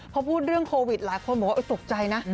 พอพูดเรื่องโควิดหลายคนบอกว่าตกใจนะ